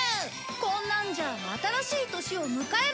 こんなんじゃ新しい年を迎えられないよ！